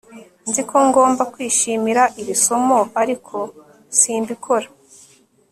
nzi ko ngomba kwishimira iri somo, ariko simbikora